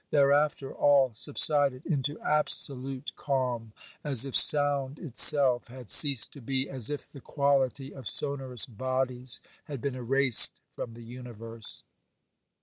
Thereafter all subsided into absolute calm, as if sound itself had ceased to be, as if the quality of sonorous bodies had been erased from the universe.